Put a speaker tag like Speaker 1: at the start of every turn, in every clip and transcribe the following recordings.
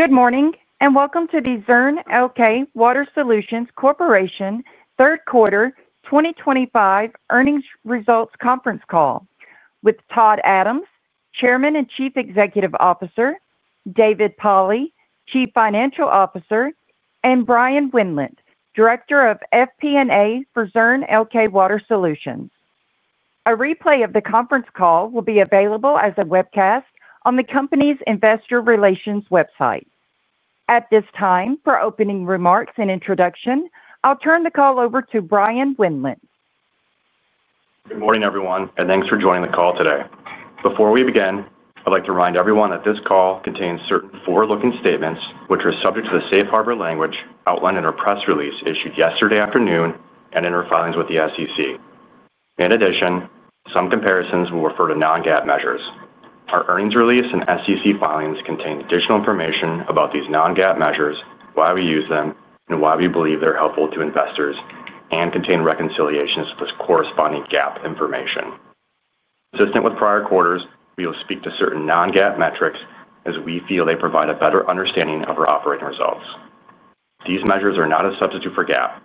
Speaker 1: Good morning and welcome to the Zurn Elkay Water Solutions Corporation Third Quarter 2025 Earnings Results Conference call with Todd Adams, Chairman and Chief Executive Officer, David Polley, Chief Financial Officer, and Bryan Wendlandt, Director of FP&A for Zurn Elkay Water Solutions. A replay of the conference call will be available as a webcast on the company's investor relations website. At this time, for opening remarks and introduction, I'll turn the call over to Bryan Wendlandt.
Speaker 2: Good morning everyone and thanks for joining the call today. Before we begin, I'd like to remind everyone that this call contains certain forward-looking statements which are subject to the safe harbor language outlined in our press release issued yesterday afternoon and in our filings with the SEC. In addition, some comparisons will refer to non-GAAP measures. Our earnings release and SEC filings contain additional information about these non-GAAP measures, why we use them, and why we believe they're helpful to investors and contain reconciliations to the corresponding GAAP information consistent with prior quarters. We will speak to certain non-GAAP metrics as we feel they provide a better understanding of our operating results. These measures are not a substitute for GAAP.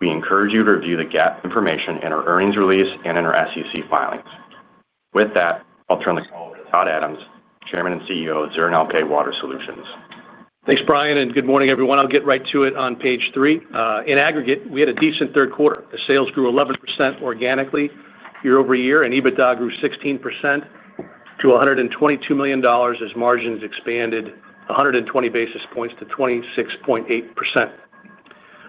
Speaker 2: We encourage you to review the GAAP information in our earnings release and in our SEC filings. With that, I'll turn the call over to Todd Adams, Chairman and CEO of Zurn Elkay Water Solutions.
Speaker 3: Thanks Bryan and good morning everyone. I'll get right to it on page three. In aggregate, we had a decent third quarter. The sales grew 11% organically year-over-year and EBITDA grew 16% to $122 million as margins expanded 120 basis points to 26.8%.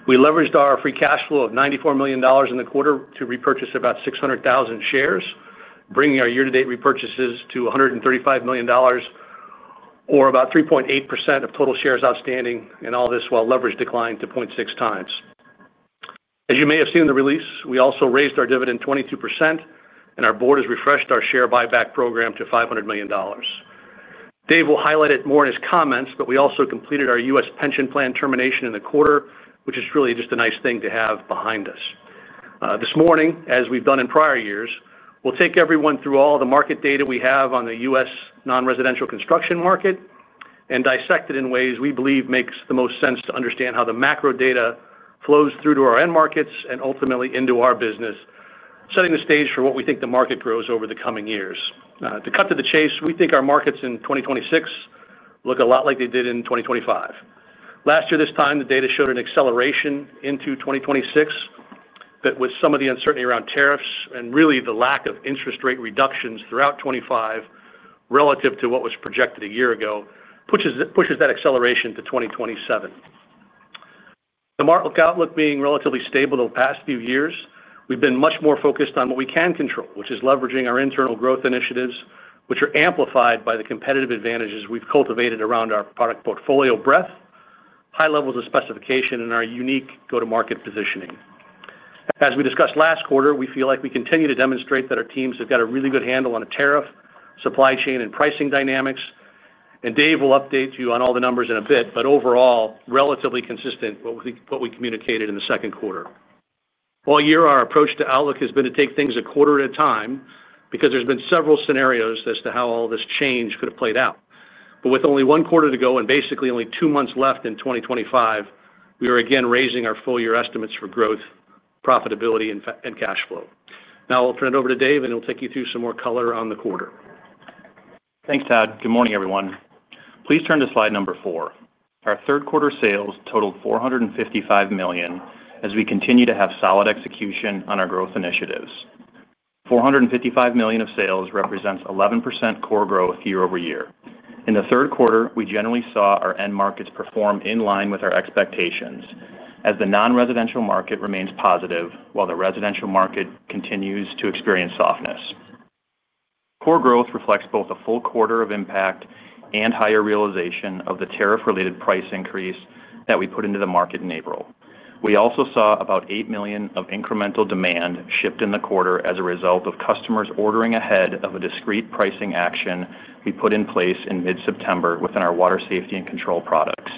Speaker 3: We leveraged our free cash flow of $94 million in the quarter to repurchase about 600,000 shares, bringing our year-to-date repurchases to $135 million, or about 3.8% of total shares outstanding. All this while leverage declined to 0.6x. As you may have seen in the release, we also raised our dividend 22% and our board has refreshed our share buyback program to $500 million. Dave will highlight it more in his comments, but we also completed our U.S. pension plan termination in the quarter, which is really just a nice thing to have behind us this morning. As we've done in prior years, we'll take everyone through all the market data we have on the U.S. non-residential construction market and dissect it in ways we believe make the most sense to understand how the macro data flows through to our end markets and ultimately into our business, setting the stage for what we think the market grows over the coming years. To cut to the chase, we think our markets in 2026 look a lot like they did in 2025. Last year, this time the data showed an acceleration into 2026, but with some of the uncertainty around tariffs and really the lack of interest rate reductions throughout 2025 relative to what was projected a year ago pushes that acceleration to 2027. The market outlook being relatively stable the past few years, we've been much more focused on what we can control, which is leveraging our internal growth initiatives which are amplified by the competitive advantages we've cultivated around our product portfolio breadth, high levels of specification, and our unique go to market positioning. As we discussed last quarter, we feel like we continue to demonstrate that our teams have got a really good handle on tariff, supply chain, and pricing dynamics, and Dave will update you on all the numbers in a bit, but overall relatively consistent with what we communicated in the second quarter. All year our approach to outlook has been to take things a quarter at a time because there's been several scenarios as to how all this change could have played out. With only one quarter to go and basically only two months left in 2025, we are again raising our full year estimates for growth, profitability, and cash flow. Now I'll turn it over to Dave and he'll take you through some more color on the quarter.
Speaker 4: Thanks Todd. Good morning everyone. Please turn to slide number four. Our third-quarter sales totaled $455 million as we continue to have solid execution on our growth initiatives. $455 million of sales represents 11% core growth year over year. In the third quarter, we generally saw our end markets perform in line with our expectations as the non-residential market remains positive while the residential market continues to experience softness. Core growth reflects both a full quarter of impact and higher realization of the tariff-related price increase that we put into the market in April. We also saw about $8 million of incremental demand shipped in the quarter as a result of customers ordering ahead of a discrete pricing action we put in place in mid-September within our water safety and control products.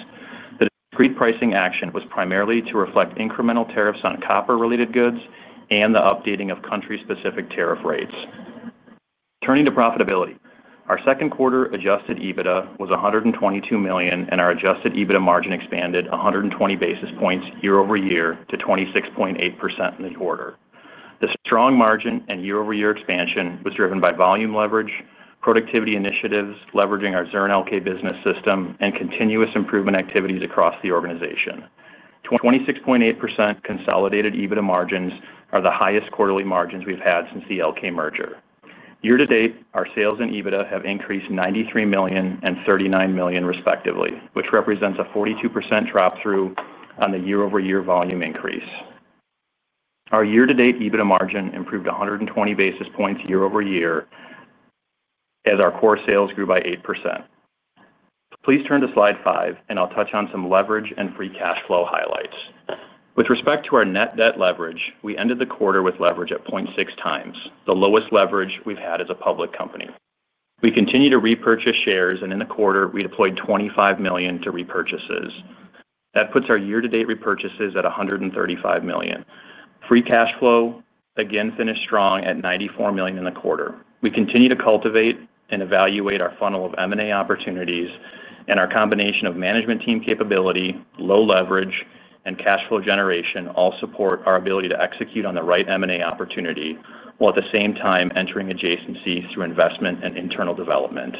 Speaker 4: The discrete pricing action was primarily to reflect incremental tariffs on copper-related goods and the updating of country-specific tariff rates. Turning to profitability, our second quarter adjusted EBITDA was $122 million and our adjusted EBITDA margin expanded 120 basis points year-over-year to 26.8% in the quarter. The strong margin and year-over-year expansion was driven by volume leverage, productivity initiatives, leveraging our Zurn Elkay business system, and continuous improvement activities across the organization. 26.8% consolidated EBITDA margins are the highest quarterly margins we've had since the Elkay merger. Year-to-date, our sales and EBITDA have increased $93 million and $39 million respectively, which represents a 42% drop through on the year-over-year volume increase. Our year-to-date EBITDA margin improved 120 basis points year-over-year as our core sales grew by 8%. Please turn to slide five and I'll touch on some leverage and free cash flow highlights. With respect to our net debt leverage, we ended the quarter with leverage at 0.6x, the lowest leverage we've had as a public company. We continue to repurchase shares and in the quarter we deployed $25 million to repurchases. That puts our year-to-date repurchases at $135 million. Free cash flow again finished strong at $94 million. In the quarter, we continue to cultivate and evaluate our funnel of M&A opportunities and our combination of management team capability, low leverage, and cash flow generation all support our ability to execute on the right M&A opportunity while at the same time entering adjacency through investment and internal development.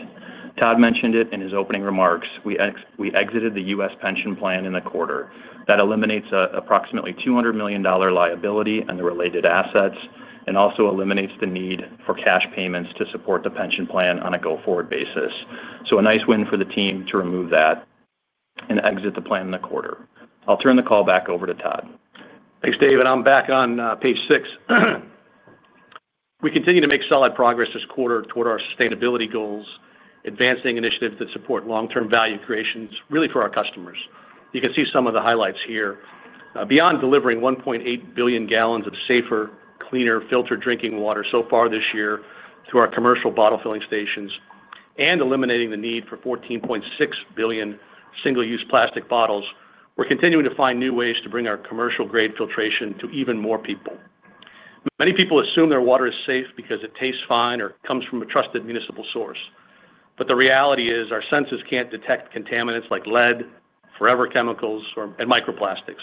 Speaker 4: Todd mentioned it in his opening remarks. We exited the U.S. pension plan in the quarter. That eliminates approximately $200 million liability and the related assets and also eliminates the need for cash payments to support the pension plan on a go forward basis. A nice win for the team to remove that and exit the plan in the quarter. I'll turn the call back over to Todd.
Speaker 3: Thanks Dave and I'm back on page six. We continue to make solid progress this quarter toward our sustainability goals, advancing initiatives that support long-term value creation really for our customers. You can see some of the highlights here. Beyond delivering 1.8 billion gallons of safer, cleaner filtered drinking water so far this year through our commercial bottle filling stations and eliminating the need for 14.6 billion single-use plastic bottles, we're continuing to find new ways to bring our commercial grade filtration to even more people. Many people assume their water is safe because it tastes fine or comes from a trusted municipal source. The reality is our senses can't detect contaminants like lead, forever chemicals, and microplastics.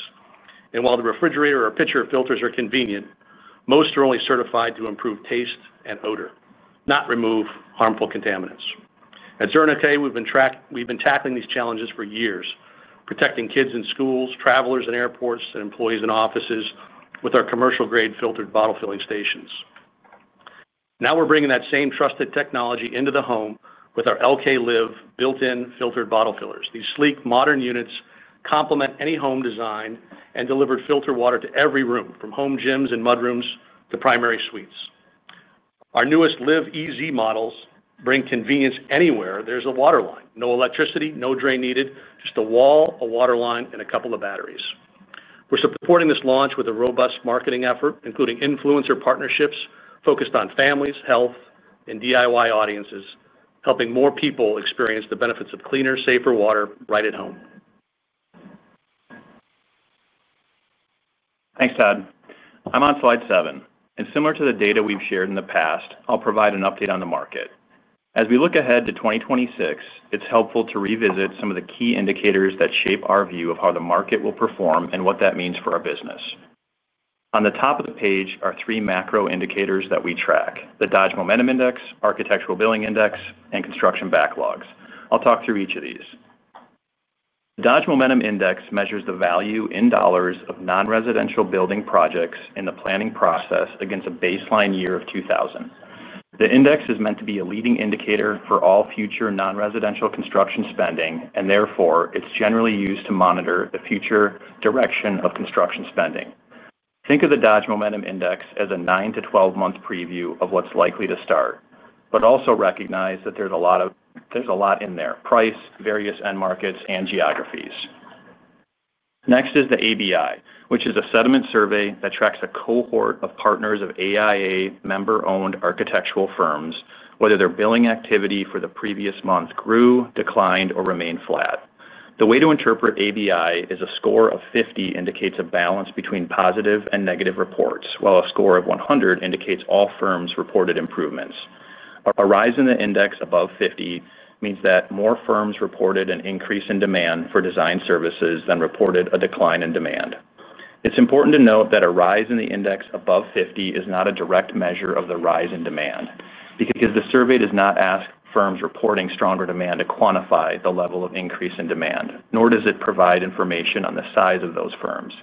Speaker 3: While the refrigerator or pitcher filters are convenient, most are only certified to improve taste and odor, not remove harmful contaminants. At Zurn Elkay, we've been tackling these challenges for years, protecting kids in schools, travelers in airports, and employees in offices with our commercial-grade filtered bottle filling stations. Now we're bringing that same trusted technology into the home with our Elkay LIV built-in filtered bottle fillers. These sleek, modern units complement any home design and deliver filtered water to every room, from home gyms and mudrooms to primary suites. Our newest LIV EZ models bring convenience anywhere there's a water line. No electricity, no drain needed, just a wall, a water line, and a couple of batteries. We're supporting this launch with a robust marketing effort, including influencer partnerships focused on families, health, and DIY audiences, helping more people experience the benefits of cleaner, safer water right at home.
Speaker 4: Thanks Todd, I'm on slide seven and similar to the data we've shared in the past, I'll provide an update on the market as we look ahead to 2026. It's helpful to revisit some of the key indicators that shape our view of how the market will perform and what that means for our business. On the top of the page are three macro indicators that we track: the Dodge Momentum Index, Architectural Billing Index, and Construction Backlogs. I'll talk through each of these. The Dodge Momentum Index measures the value in dollars of non-residential building projects in the planning process against a baseline year of 2000. The index is meant to be a leading indicator for all future non-residential construction spending and therefore it's generally used to monitor the future direction of construction spending. Think of the Dodge Momentum Index as a 9 to 12 month preview of what's likely to start, but also recognize that there's a lot in there: price, various end markets, and geographies. Next is the ABI, which is a sentiment survey that tracks a cohort of partners of AIA member-owned architectural firms, whether their billing activity for the previous month grew, declined, or remained flat. The way to interpret the ABI is a score of 50 indicates a balance between positive and negative reports, while a score of 100 indicates all firms reported improvements. A rise in the index above 50 means that more firms reported an increase in demand for design services than reported a decline in demand. It's important to note that a rise in the index above 50 is not a direct measure of the rise in demand because the survey does not ask firms reporting stronger demand to quantify the level of increase in demand, nor does it provide information on the size of those firms.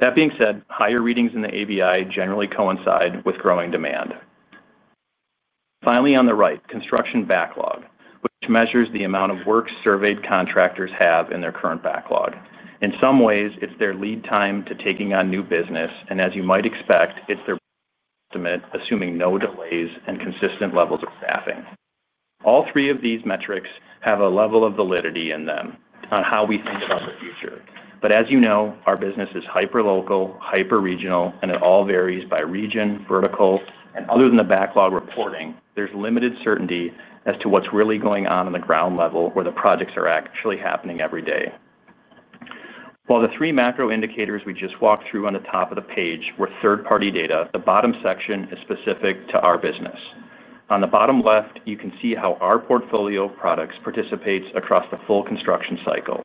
Speaker 4: That being said, higher readings in the ABI generally coincide with growing demand. Finally, on the right, Construction Backlogs, which measures the amount of work surveyed contractors have in their current backlog. In some ways it's their lead time to taking on new business and as you might expect, it's their estimate assuming no delays and consistent levels of staffing. All three of these metrics have a level of validity in them on how we think about the future, but as you know, our business is hyperlocal, hyper regional, and it all varies by region, vertical, and other than the backlog reporting, there's limited certainty as to what's really going on at the ground level where the projects are actually happening every day. While the three macro indicators we just walked through on the top of the page were third party data, the bottom section is specific to our company. On the bottom left, you can see how our portfolio of products participates across the full construction cycle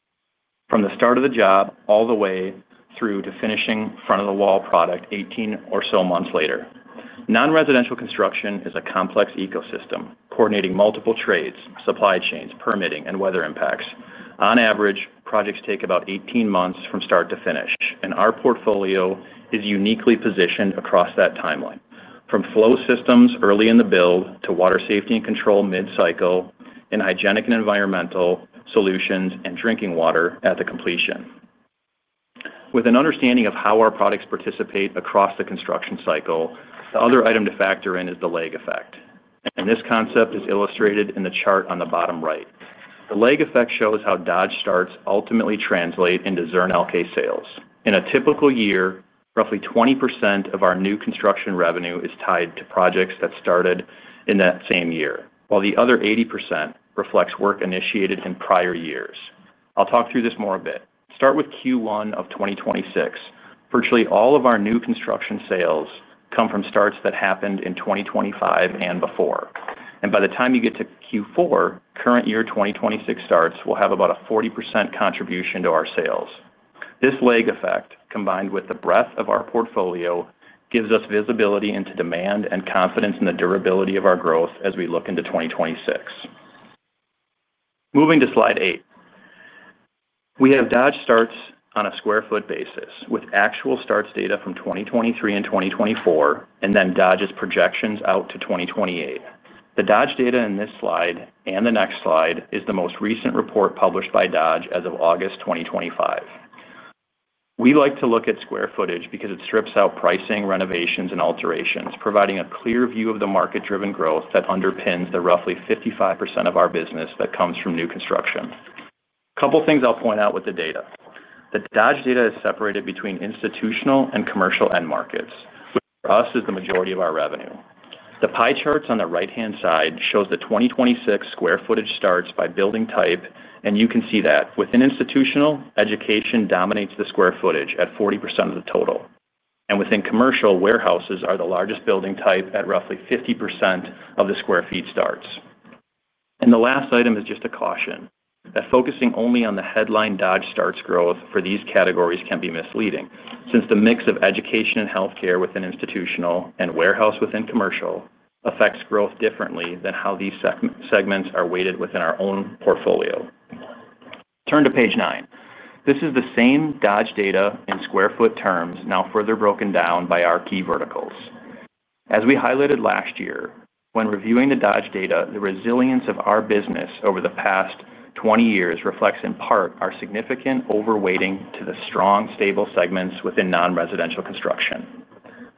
Speaker 4: from the start of the job all the way through to finishing front of the wall product 18 or so months later. Non-residential construction is a complex ecosystem coordinating multiple trades, supply chains, permitting, and weather impacts. On average, projects take about 18 months from start to finish, and our portfolio is uniquely positioned across that timeline, from flow systems early in the build to water safety and control mid cycle, and hygienic and environmental solutions and drinking water at the completion. With an understanding of how our products participate across the construction cycle, the other item to factor in is the lag effect, and this concept is illustrated in the chart on the bottom right. The lag effect shows how Dodge starts ultimately translate into Zurn Elkay sales. In a typical year, roughly 20% of our new construction revenue is tied to projects that started in that same year, while the other 80% reflects work initiated in prior years. I'll talk through this more a bit. Start with Q1 of 2026. Virtually all of our new construction sales come from starts that happened in 2025 and before, and by the time you get to Q4, current year 2026 starts will have about a 40% contribution to our sales. This lag effect, combined with the breadth of our portfolio, gives us visibility into demand and confidence in the durability of our growth as we look into 2026. Moving to slide eight, we have Dodge starts on a sq ft basis with actual starts data from 2023 and 2024, and then Dodge's projections out to 2028. The Dodge data in this slide and the next slide is the most recent report published by Dodge as of August 2025. We like to look at square footage because it strips out pricing, renovations, and alterations, providing a clear view of the market-driven growth that underpins the roughly 55% of our business that comes from new construction. Couple things I'll point out with the data. The Dodge data is separated between institutional and commercial end markets, which for us is the majority of our revenue. The pie charts on the right-hand side show the 2026 square footage starts by building type, and you can see that within institutional, education dominates the square footage at 40% of the total, and within commercial, warehouses are the largest building type at roughly 50% of the sq ft starts. The last item is just a caution that focusing only on the headline Dodge Starts Growth for these categories can be misleading since the mix of education and healthcare within institutional and warehouse within commercial affects growth differently than how these segments are weighted within our own portfolio. Turn to page nine. This is the same Dodge data in sq ft terms, now further broken down by our key verticals. As we highlighted last year when reviewing the Dodge data, the resilience of our business over the past 20 years reflects in part our significant overweighting to the strong, stable segments within non-residential construction.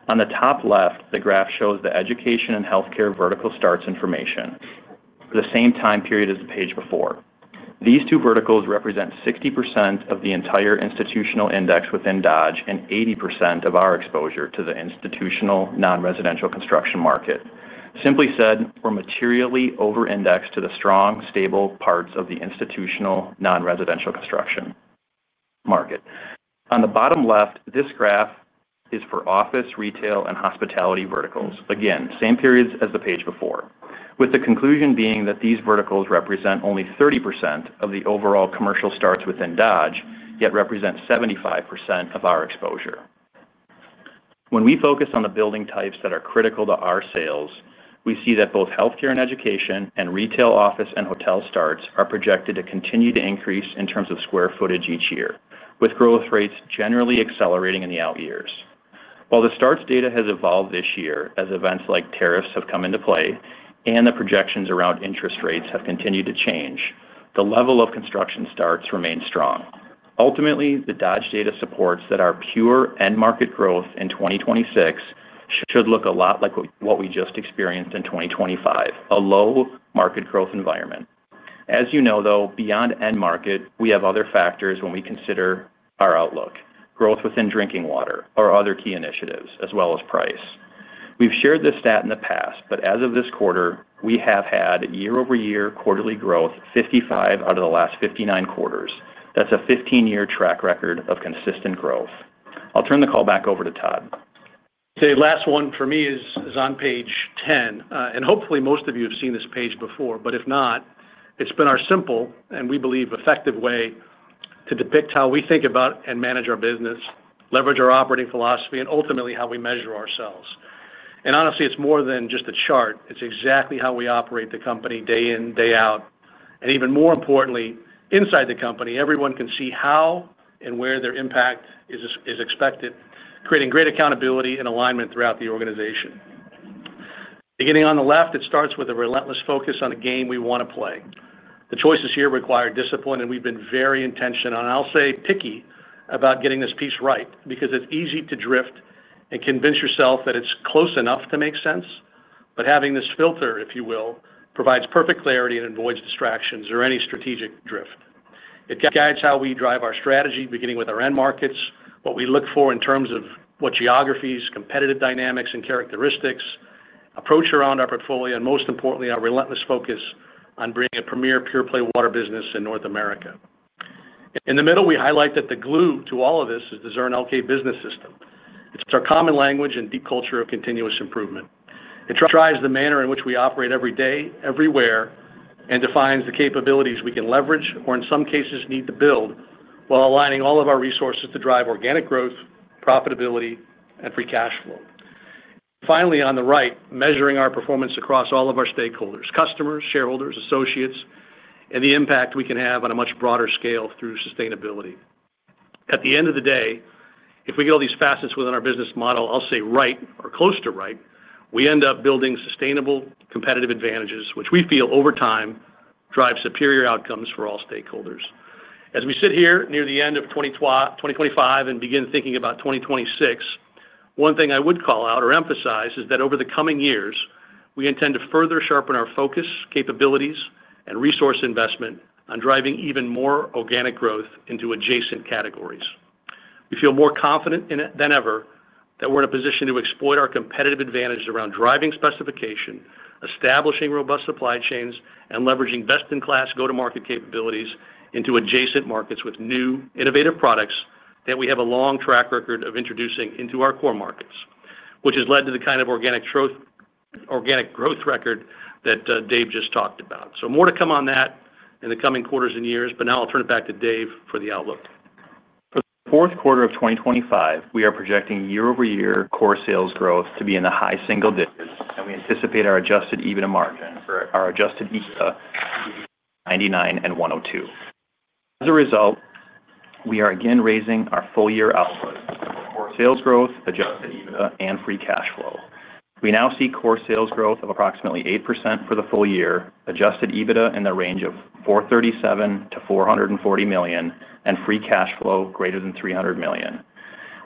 Speaker 4: On the top left, the graph shows the education and healthcare vertical starts information for the same time period as the page before. These two verticals represent 60% of the entire institutional index within Dodge and 80% of our exposure to the institutional non-residential construction market. Simply said, we're materially over-indexed to the strong, stable parts of the institutional non-residential construction market. On the bottom left, this graph is for office, retail, and hospitality verticals, again same periods as the page before, with the conclusion being that these verticals are only 30% of the overall commercial starts within Dodge, yet represent 75% of our exposure. When we focus on the building types that are critical to our sales, we see that both healthcare and education, and retail, office, and hotel starts are projected to continue to increase in terms of square footage each year, with growth rates generally accelerating in the out years. While the starts data has evolved this year as events like tariffs have come into play and the projections around interest rates have continued to change, the level of construction starts remains strong. Ultimately, the Dodge data supports that our pure end market growth in 2026 should look a lot like what we just experienced in 2025, a low market growth environment. As you know though, beyond end market we have other factors when we consider our outlook. Growth within drinking water are other key initiatives as well as price. We've shared this stat in the past, but as of this quarter we have had year over year quarterly growth 55 out of the last 59 quarters. That's a 15 year track record of consistent growth. I'll turn the call back over to Todd.
Speaker 3: The last one for me is on page 10. Hopefully most of you have seen this page before. If not, it's been our simple and, we believe, effective way to depict how we think about and manage our business leverage, our operating philosophy, and ultimately how we measure ourselves. Honestly, it's more than just a chart. It's exactly how we operate the company day in, day out. Even more importantly, inside the company, everyone can see how and where their impact is expected, creating great accountability and alignment throughout the organization. Beginning on the left, it starts with a relentless focus on a game we want to play. The choices here require discipline, and we've been very intentional and, I'll say, picky about getting this piece right because it's easy to drift and convince yourself that it's close enough to make sense. Having this filter, if you will, provides perfect clarity and avoids distractions or any strategic drift. It guides how we drive our strategy, beginning with our end markets, what we look for in terms of what geographies, competitive dynamics and characteristics, approach around our portfolio, and, most importantly, our relentless focus on bringing a premier pure play water business in North America. In the middle, we highlight that the glue to all of this is the Zurn Elkay business system. It's our common language and deep culture of continuous improvement.It drives the manner in which we operate every day everywhere, and defines the capabilities we can leverage or, in some cases, need to build while aligning all of our resources to drive organic growth, profitability, and free cash flow. Finally, on the right, measuring our performance across all of our stakeholders, customers, shareholders, associates, and the impact we can have on a much broader scale through sustainability. At the end of the day, if we get all these facets within our business model, I'll say right or close to right, we end up building sustainable competitive advantages, which we feel over time drive superior outcomes for all stakeholders. As we sit here near the end of 2025 and begin thinking about 2026, one thing I would call out or emphasize is that over the coming years we intend to further sharpen our focus, capabilities, and resource investment on driving even more organic growth into adjacent categories. We feel more confident than ever that we're in a position to exploit our competitive advantages around driving specification, establishing robust supply chains, and leveraging best-in-class go-to-market capabilities into adjacent markets with new innovative products that we have a long track record of introducing into our core markets, which has led to the kind of organic growth record that Dave just talked about. More to come on that in the coming quarters and years. Now I'll turn it back to Dave, for the outlook.
Speaker 4: For the fourth quarter of 2025, we are projecting year-over-year core sales growth to be in the high single digits, and we anticipate our adjusted EBITDA margin for our adjusted EBITDA to be between 99 and 102. As a result, we are again raising our full year outlook, sales growth, adjusted EBITDA, and free cash flow. We now see core sales growth of approximately 8% for the full year, adjusted EBITDA in the range of $437 million-$440 million, and free cash flow greater than $300 million.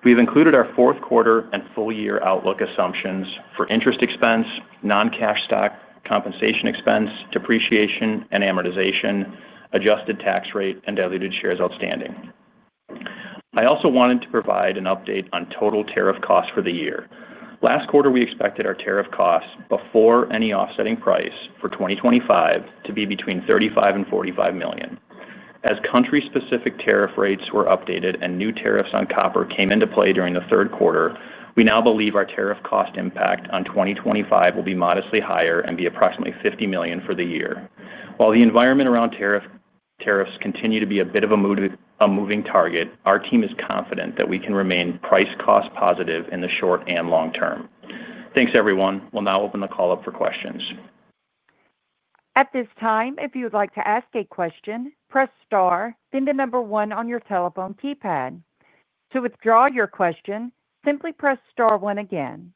Speaker 4: We've included our fourth quarter and full year outlook assumptions for interest expense, non-cash stock compensation expense, depreciation and amortization, adjusted tax rate, and diluted shares outstanding. I also wanted to provide an update on total tariff costs for the year. Last quarter, we expected our tariff and any offsetting price for 2025 to be between $35 million and $45 million. As country-specific tariff rates were updated and new tariffs on copper came into play during the third quarter, we now believe our tariff cost impact on 2025 will be modestly higher and be approximately $50 million for the year. While the environment around tariffs continues to be a bit of a moving target, our team is confident that we can remain price-cost positive in the short and long term. Thanks, everyone. We'll now open the call up for questions.
Speaker 1: At this time, if you would like to ask a question, press Star, then the number one on your telephone keypad. To withdraw your question, simply press Star one. Again,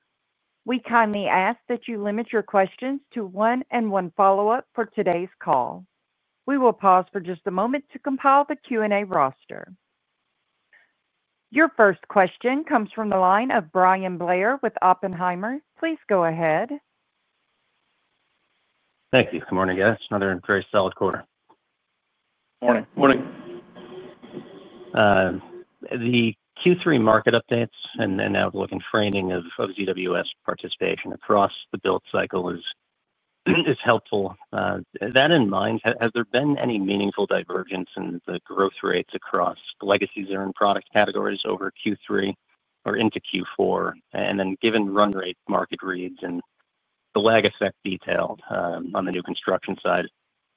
Speaker 1: we kindly ask that you limit your questions to one and one follow up. For today's call, we will pause for just a moment to compile the Q and A roster. Your first question comes from the line of Bryan Blair with Oppenheimer. Please go ahead.
Speaker 5: Thank you. Good morning, guys. Another very solid quarter.
Speaker 3: Morning.
Speaker 4: Morning.
Speaker 5: The Q3 market updates and outlook and framing of ZWS participation across the build cycle is helpful. That in mind, has there been any meaningful divergence in the growth rates across legacy Zurn product categories over Q3 or into Q4? Given run rate market reads and the lag effect detailed on the new construction side,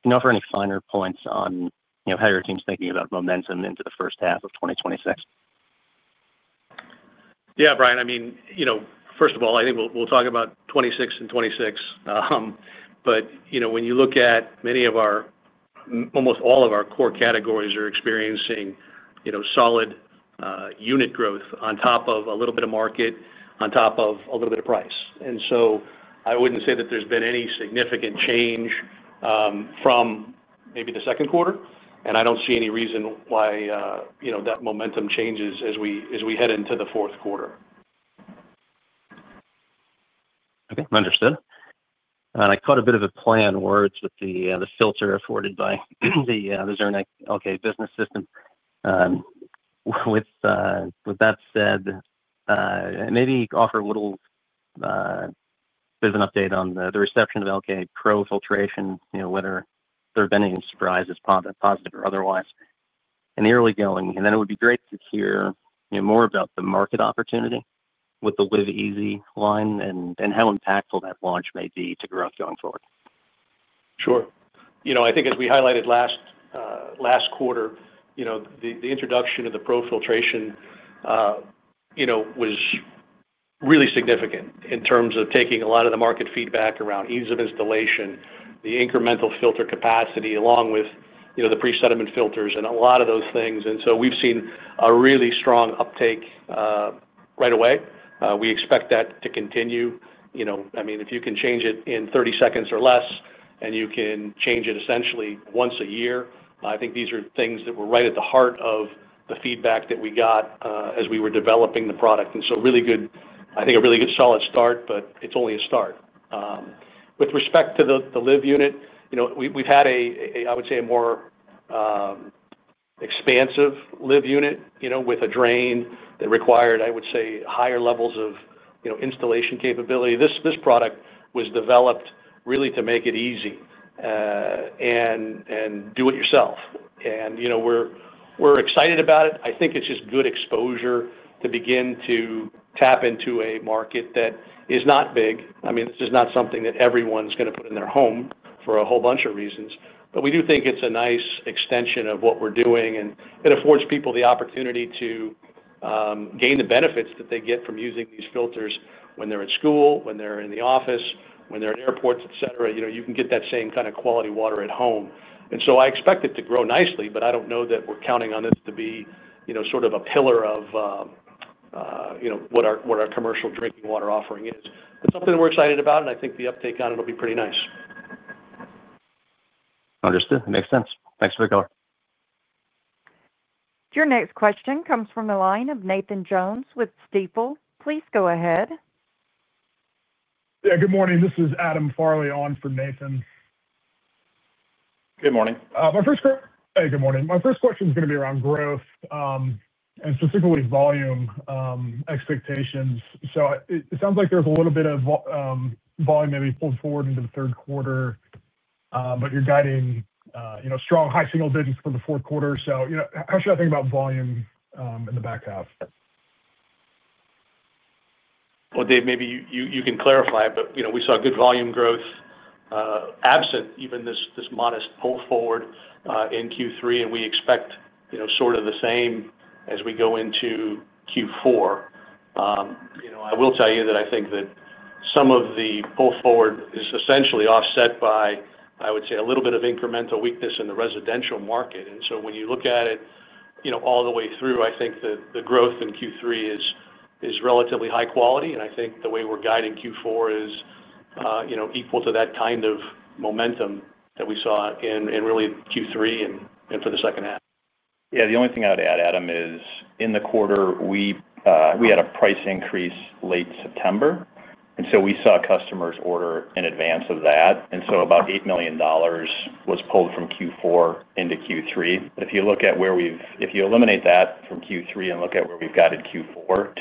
Speaker 5: can you offer any finer points on how your team's thinking about momentum into the first half of 2026?
Speaker 3: Yeah, Bryan, I mean, first of all I think we'll talk about 2026 and 2026, but when you look at many of our, almost all of our core categories are experiencing solid unit growth on top of a little bit of market, on top of a little bit of price. I wouldn't say that there's been any significant change from maybe the second quarter. I don't see any reason why that momentum changes as we head into the fourth quarter.
Speaker 5: Okay, understood. I caught a bit of a play on words with the filter afforded by the Zurn Elkay business system. With that said, maybe offer a little bit of an update on the reception of Elkay Pro Filtration, you know, whether there have been any surprises, positive or otherwise, in the early going. It would be great to hear more about the market opportunity with the LIV EZ line and how impactful that launch may be to growth going forward.
Speaker 3: Sure. I think as we highlighted last quarter, the introduction of the Elkay Pro Filtration system was really significant in terms of taking a lot of the market feedback around ease of installation, the incremental filter capacity, along with the pre-sediment filters and a lot of those things. We have seen a really strong uptake right away. We expect that to continue. If you can change it in 30 seconds or less and you can change it essentially once a year, I think these are things that were right at the heart of the feedback that we got as we were developing the product. It is a really good, solid start. It is only a start with respect to the LIV unit. We have had a more expansive LIV unit with a drain that required higher levels of installation capability. This product was developed really to make it easy and do it yourself. We are excited about it. I think it is just good exposure to begin to tap into a market that is not big. This is not something that everyone is going to put in their home for a whole bunch of reasons, but we do think it is a nice extension of what we are doing and it affords people the opportunity to gain the benefits that they get from using these filters when they are at school, when they are in the office, when they are at airports, etc. You can get that same kind of quality water at home. I expect it to grow nicely. I do not know that we are counting on this to be a pillar of what our commercial drinking water offering is, but it is something we are excited about and I think the uptake on it will be pretty nice.
Speaker 5: Understood. That makes sense. Thanks. For the color.
Speaker 1: Your next question comes from the line of Nathan Jones with Stifel. Please go ahead.
Speaker 6: Yeah, good morning, this is Adam Farley on for Nathan.
Speaker 3: Good morning.
Speaker 6: My first question. Hey, good morning. My first question is going to be around growth and specifically volume expectations. It sounds like there's a little bit of volume maybe pulled forward into the third quarter, but you're guiding strong high single digits for the fourth quarter. How should I think about volume in the back half?
Speaker 3: Okay, maybe you can clarify. You know, we saw good volume growth absent even this modest pull forward in Q3, and we expect sort of the same as we go into Q4. I will tell you that I think that some of the pull forward is essentially offset by a little bit of incremental weakness in the residential market. When you look at it all the way through, I think that the growth in Q3 is relatively high quality. I think the way we're guiding Q4 is equal to that kind of momentum that we saw in really Q3 and for the second half.
Speaker 4: Yeah, the only thing I would add, Adam, is in the quarter we had a price increase late September, and we saw customers order in advance of that. About $8 million was pulled from Q4 into Q3. If you eliminate that from Q3 and look at where we've got in Q4,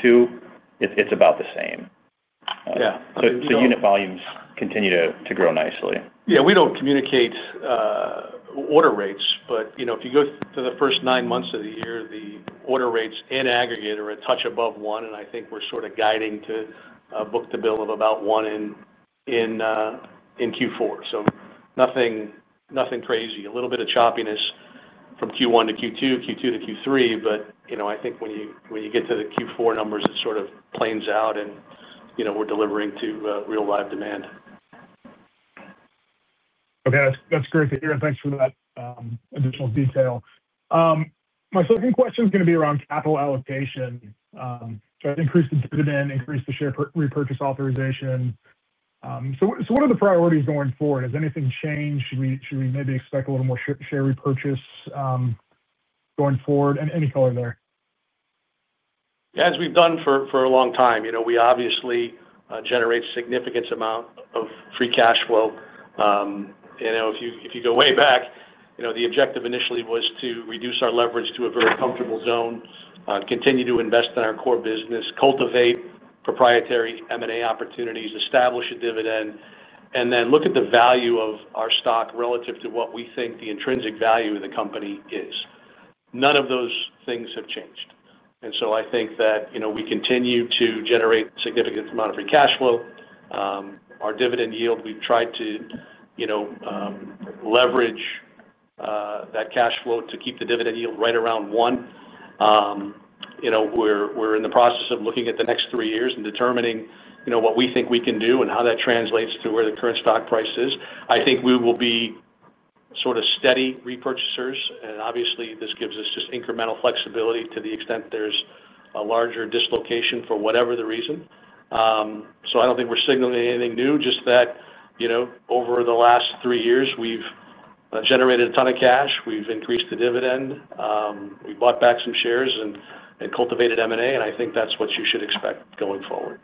Speaker 4: it's about the same.
Speaker 3: Yeah.
Speaker 4: Unit volumes continue to grow nicely.
Speaker 3: Yeah, we don't communicate order rates, but if you go to the first nine months of the year, the order rates in aggregate are a touch above one. I think we're sort of guiding to book to bill of about one in Q4. Nothing crazy, a little bit of choppiness from Q1 to Q2, Q2 to Q3. I think when you get to the Q4 numbers, it sort of planes out and we're delivering to real live demand.
Speaker 6: Okay, that's great to hear and thanks for that additional detail. My second question is going to be around capital allocation. Increase the dividend, increase the share repurchase authorization. What are the priorities going forward? Has anything changed? Should we maybe expect a little more share repurchase going forward and any color there?
Speaker 3: As we've done for a long time? We obviously generate significant amount of free cash flow. If you go way back, the objective initially was to reduce our leverage to a very comfortable zone, continue to invest in our core business, cultivate proprietary M&A opportunities, establish a dividend, and then look at the value of our stock relative to what we think the intrinsic value of the company is. None of those things have changed. I think that we continue to generate significant amount of free cash flow, our dividend yield. We've tried to leverage that cash flow to keep the dividend yield right around one. We're in the process of looking at the next three years and determining what we think we can do and how that translates to where the current stock price is. I think we will be sort of steady re-purchasers. Obviously, this gives us just incremental flexibility to the extent there's larger dislocation for whatever the reason. I don't think we're signaling anything new, just that over the last three years, we've generated a ton of cash, we've increased the dividend, we bought back some shares and cultivated M&A, and I think that's what you should expect going forward.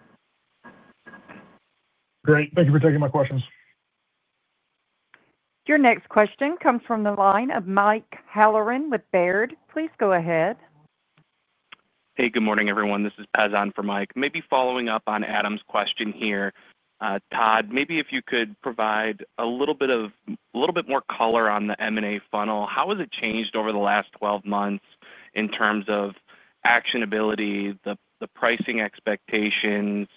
Speaker 6: Great. Thank you for taking my questions.
Speaker 1: Your next question comes from the line of Mike Halloran with Baird, please go ahead.
Speaker 7: Hey, good morning, everyone. This is Pez on for Mike. Maybe following up on Adam's question here, Todd, maybe if you could provide a little bit more color on the M&A funnel, how has it changed over the last 12 months in terms of actionability, the pricing expectations,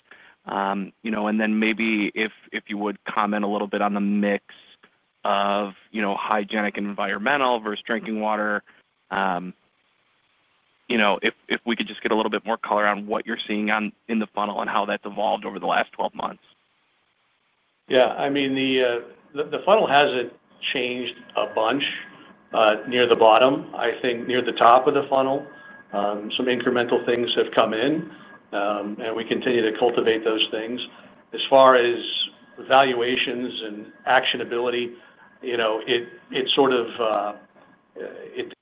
Speaker 7: and then maybe if you would comment a little bit on the mix of hygienic and environmental versus drinking water. If we could just get a little bit more color on what you're seeing in the funnel and how that's evolved over the last 12 months.
Speaker 3: Yeah, I mean, the funnel hasn't changed a bunch near the bottom. I think near the top of the funnel, some incremental things have come in, and we continue to cultivate those things. As far as valuations and actionability, it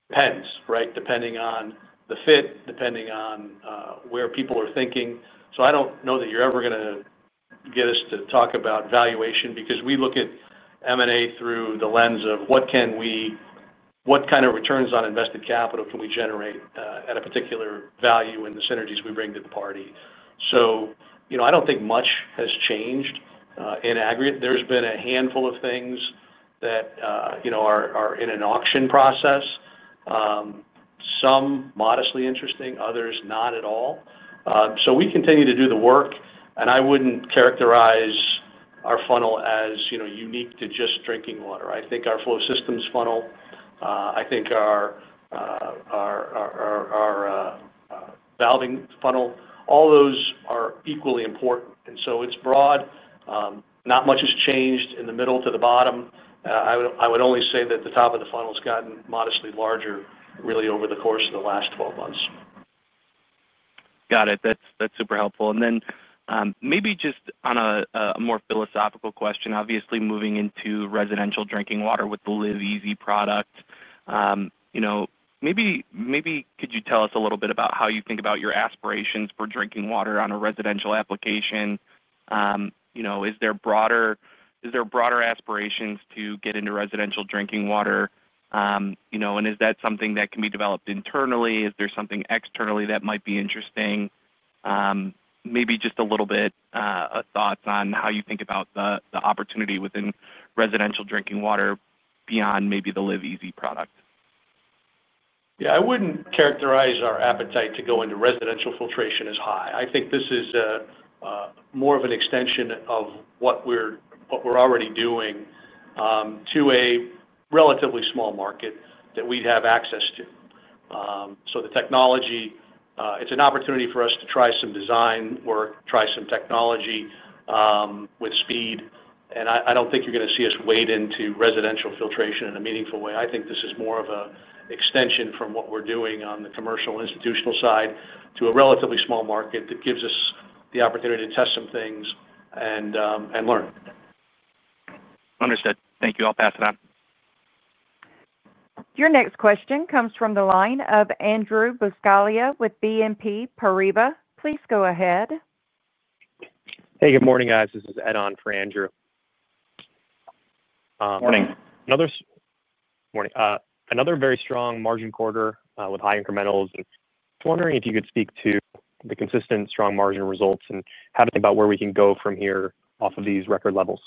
Speaker 3: depends, right? Depending on the fit, depending on where people are thinking. I don't know that you're ever going to get us to talk about valuation, because we look at M&A through the lens of what kind of returns on invested capital can we generate at a particular value in the synergies we bring to the party. I don't think much has changed in aggregate. There's been a handful of things that are in an auction process, some modestly interesting, others not at all. We continue to do the work. I wouldn't characterize our funnel as unique to just drinking water. I think our flow systems funnel, our valving funnel, all those are equally important. It's broad. Not much has changed in the middle to the bottom. I would only say that the top of the funnel's gotten modestly larger, really, over the course of the last 12 months.
Speaker 7: Got it. That's super helpful. Maybe just on a more philosophical question, obviously moving into residential drinking water with the LIV EZ product, could you tell us a little bit about how you think about your aspirations for drinking water on a residential application? Is there broader aspiration to get into residential drinking water, and is that something that can be developed internally? Is there something externally that might be interesting? Maybe just a little bit of thoughts on how you think about the opportunity within residential drinking water beyond maybe the LIV EZ product.
Speaker 3: Yeah, I wouldn't characterize our appetite to go into residential filtration as high. I think this is more of an extension of what we're. What we're already doing to a relatively small market that we'd have access to. The technology, it's an opportunity for us to try some design work, try some technology with speed, and I don't think you're going to see us wade into residential filtration in a meaningful way. I think this is more of an extension from what we're doing on the commercial, institutional side to a relatively small market that gives us the opportunity to test some things and learn.
Speaker 7: Understood. Thank you. I'll pass it on.
Speaker 1: Your next question comes from the line of Andrew Buscaglia with BNP Paribas. Please go ahead. Hey, good morning, guys. This is Ed on for Andrew.
Speaker 3: Morning. Another morning. Another very strong margin quarter with high incrementals. Wondering if you could speak to the consistent strong margin results and how to think about where we can go from here off of these record levels.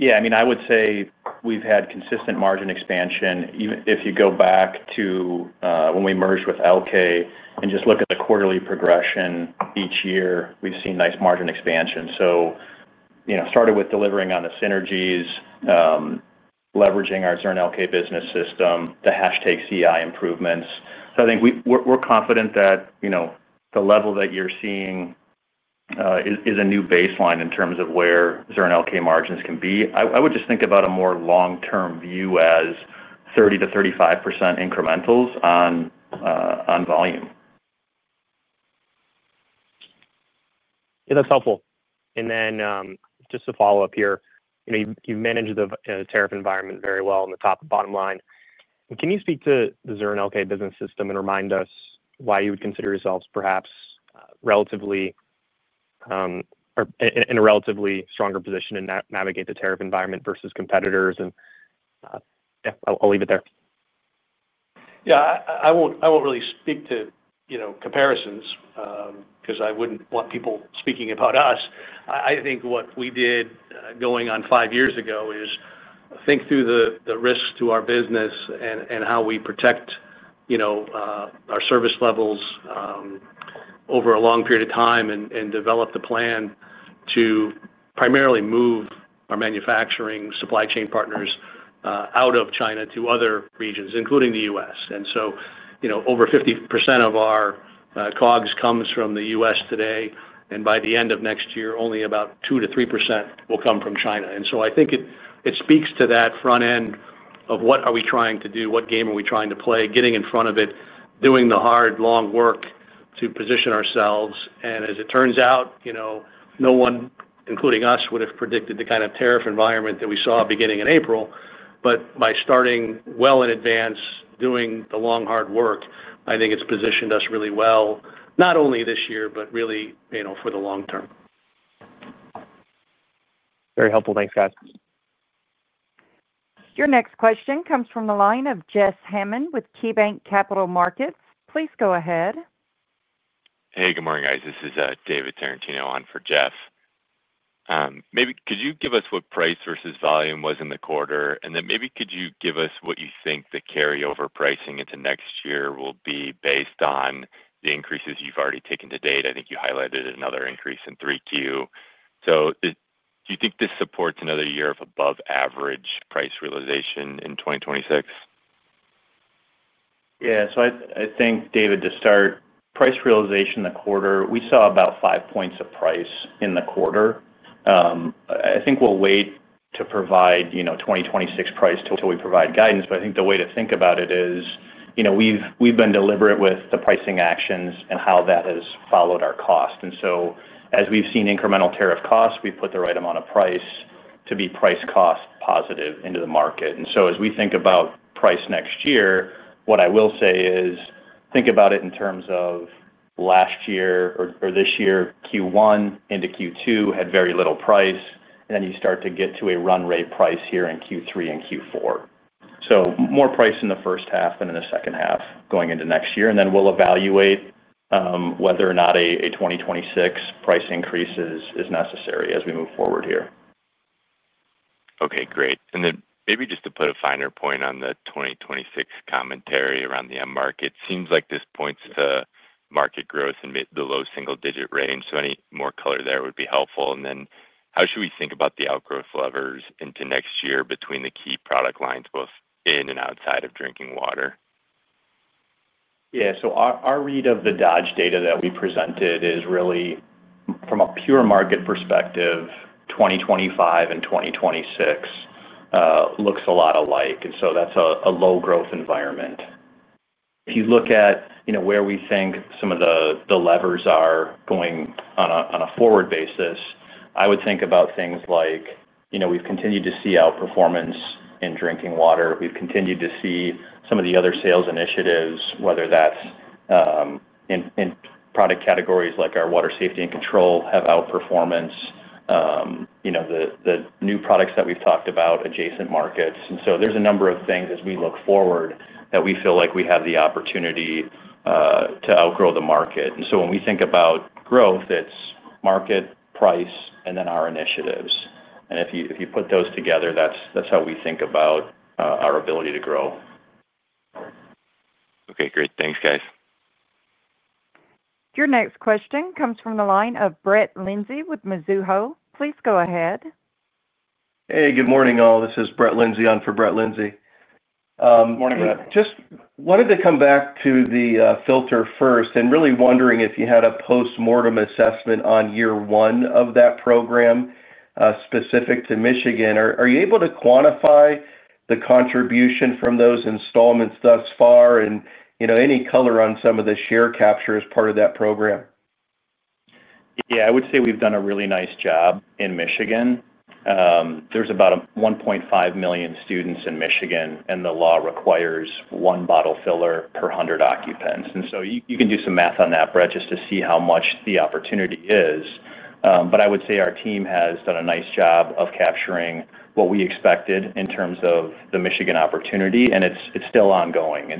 Speaker 4: Yeah, I mean, I would say we've had consistent margin expansion. If you go back to when we merged with Elkay and just look at the quarterly progression each year, we've seen nice margin expansion. It started with delivering on the synergies, leveraging our Zurn Elkay business system, the #CI improvements. I think we're confident that the level that you're seeing is a new baseline in terms of where Zurn Elkay margins can be. I would just think about a more long term view as 30% to 35% incrementals on volume. Yeah, that's helpful. Just a follow-up here. You've managed the tariff environment very well in the top and bottom line. Can you speak to the Zurn Elkay business system and remind us why you would consider yourselves perhaps in a relatively stronger position to navigate the tariff environment versus competitors? I'll leave it there.
Speaker 3: Yeah, I won't really speak to comparisons because I wouldn't want people speaking about us. I think what we did going on five years ago is think through the risks to our business and how we protect our service levels over a long period of time and develop the plan to primarily move our manufacturing supply chain partners out of China to other regions, including the U.S., and over 50% of our COGS comes from the U.S. today. By the end of next year, only about 2% to 3% will come from China. I think it speaks to that front end of what are we trying to do, what game are we trying to play, getting in front of it, doing the hard long work to position ourselves. As it turns out, no one, including us, would have predicted the kind of tariff environment that we saw beginning in April. By starting well in advance, doing the long hard work, I think it's positioned us really well, not only this year, but really for the long term. Very helpful. Thanks, guys.
Speaker 1: Your next question comes from the line of Jeff Hammond with KeyBanc Capital Markets. Please go ahead.
Speaker 8: Hey, good morning guys. This is David Tarantino on for Jeff. Maybe could you give us what price versus volume was in the quarter? And then maybe could you give us what you think the carryover pricing into next year will be based on the increases you've already taken to date? I think you highlighted another increase in 3Q. Do you think this supports another year of above-average price realization in 2026?
Speaker 4: Yeah. I think, David, to start price realization the quarter, we saw about five points of price in the quarter. I think we'll wait to provide 2026 price till we provide guidance. I think the way to think about it is we've been deliberate with the pricing actions and how that has followed our cost. As we've seen incremental tariff costs, we put the right amount of price to be price cost positive into the market. As we think about price next year, what I will say is think about it in terms of last year or this year. Q1 into Q2 had very little price, and then you start to get to a run rate price here in Q3 and Q4. More price in the first half than in the second half going into next year. We'll evaluate whether or not a 2026 price increase is necessary as we move forward here.
Speaker 8: Okay, great. Maybe just to put a finer point on the 2026 commentary around the end market, seems like this points to market growth in the low single digit range. Any more color there would be helpful. How should we think about the outgrowth levers into next year between the key product lines both in and outside of drinking water?
Speaker 4: Yeah, our read of the Dodge data that we presented is really from a pure market perspective, 2025 and 2026 look a lot alike. That's a low growth environment. If you look at where we think some of the levers are going on a forward basis, I would think about things like we've continued to see outperformance in drinking water. We've continued to see some of the other sales initiatives, whether that's product categories like our water safety and control have outperformance, the new products that we've talked about, adjacent markets. There's a number of things. As we look forward, that we feel like have the opportunity to outgrow the market. When we think about growth, it's market, price, and then our initiatives. If you put those together, that's how we think about our ability to grow.
Speaker 8: Okay, great. Thanks guys.
Speaker 1: Your next question comes from the line of Brett Linzey with Mizuho. Please go ahead.
Speaker 9: Hey, good morning all. This is Brett Linzey on for Brett Linzey.
Speaker 3: Morning, Brett.
Speaker 9: Just wanted to come back to the Filter First and really wondering if you had a post mortem assessment on year one of that program specific to Michigan. Are you able to quantify the contribution from those installments thus far, and any color on some of the share capture as part of that program?
Speaker 4: Yeah, I would say we've done a really nice job in Michigan. There's about 1.5 million students in Michigan and the law requires one bottle filler per 100 occupants. You can do some math on that, Brett, just to see how much the opportunity is. I would say our team has done a nice job of capturing what we expected in terms of the Michigan opportunity. It's still ongoing.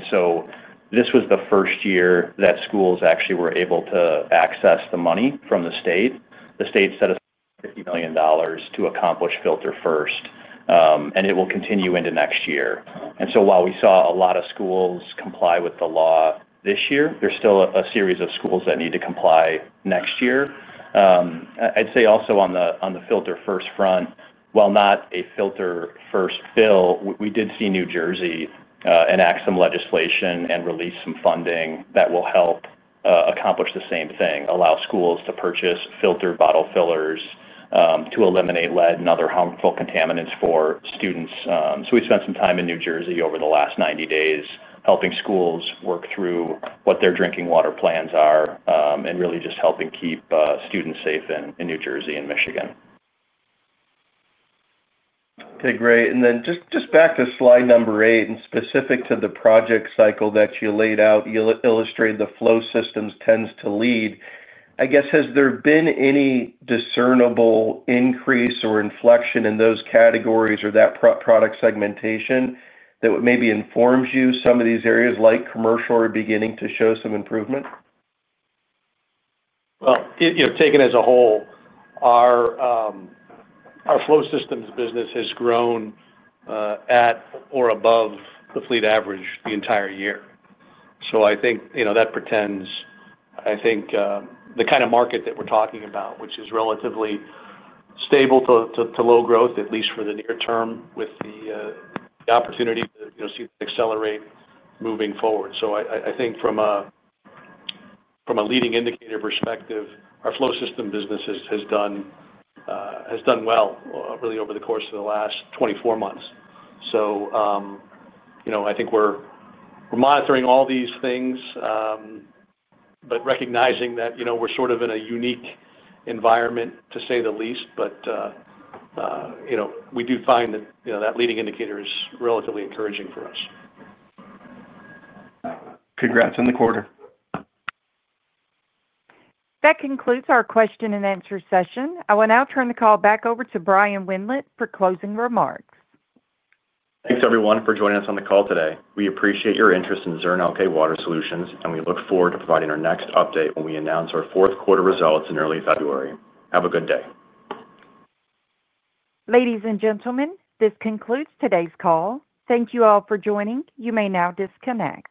Speaker 4: This was the first year that schools actually were able to access the money from the state. The state set us $50 million to accomplish Filter First and it will continue into next year. While we saw a lot of schools comply with the law this year, there's still a series of schools that need to comply next year. I'd say also on the Filter First front, while not a Filter First bill, we did see New Jersey enact some legislation and release some funding that will help accomplish the same thing. It will allow schools to purchase filter bottle fillers to eliminate lead and other harmful contaminants for students. We spent some time in New Jersey over the last 90 days helping schools work through what their drinking water plans are and really just helping keep students safe in New Jersey and Michigan.
Speaker 9: Okay, great. Just back to slide number eight. Specific to the project cycle that you laid out, you illustrated the flow systems tends to lead, I guess. Has there been any discernible increase or inflection in those categories or that product segmentation that maybe informs you some of these areas, like commercial, are beginning to show some improvement?
Speaker 3: You know, taken as a whole, our flow systems business has grown at or above the fleet average the entire year. I think that portends the kind of market that we're talking about, which is relatively stable to low growth, at least for the near term, with the opportunity to see accelerate moving forward. I think from a leading indicator perspective, our flow systems business has done well, really over the course of the last 24 months. We're monitoring all these things, but recognizing that we're sort of in a unique environment to say the least. We do find that leading indicator is relatively encouraging for us. Congrats on the quarter.
Speaker 1: That concludes our question and answer session. I will now turn the call back over to Bryan Wendlandt for closing remarks.
Speaker 2: Thanks everyone for joining us on the call today. We appreciate your interest in Zurn Elkay Water Solutions and we look forward to providing our next update when we announce our fourth quarter results in early February. Have a good day.
Speaker 1: Ladies and gentlemen, this concludes today's call. Thank you all for joining. You may now disconnect.